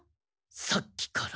「さっき」から。